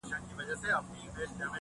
په ځنگله کي چي دي هره ورځ غړومبی سي!.